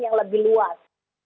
yang lebih luas